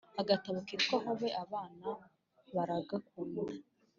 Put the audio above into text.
agatabo kitwa hobe abana baragakunda